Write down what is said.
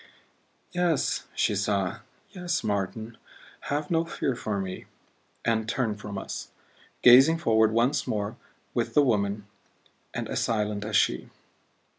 "Yes," she sighed; "yes, Martin have no fear for me " And turned from us, gazing forward once more with the woman and as silent as she.